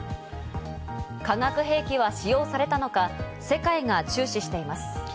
化学兵器は使用されたのか、世界が注視しています。